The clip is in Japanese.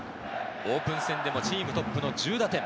オープン戦でもチームトップの１０打点。